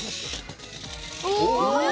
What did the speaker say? お！